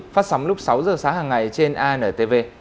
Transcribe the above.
phát sóng lúc sáu h sáng hàng ngày trên antv